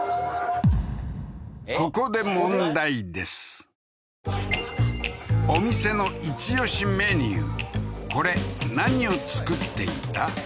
ここでお店のイチオシメニューこれ何を作っていた？